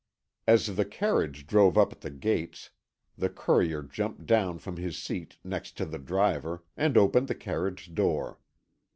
As the carriage drove up at the gates, the courier jumped down from his seat next to the driver, and opened the carriage door.